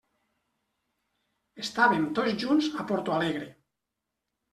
Estàvem tots junts a Porto Alegre.